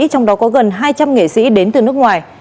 trong đó có gần hai trăm linh nghệ sĩ đến từ nước ngoài